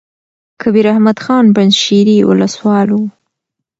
کبیر احمد خان پنجشېري ولسوال وو.